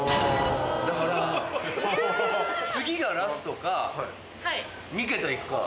だから次がラストか３桁いくか。